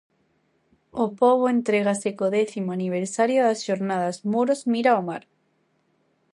O pobo entrégase co décimo aniversario das xornadas "Muros mira ao mar".